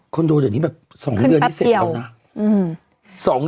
ดูเดี๋ยวนี้แบบ๒เดือนนี้เสร็จแล้วนะ